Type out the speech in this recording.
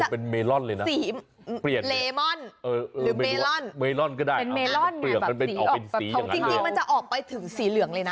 ของจริงมันจะออกไปถึงสีเหลืองเลยนะ